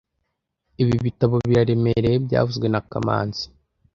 Ibi bitabo biraremereye byavuzwe na kamanzi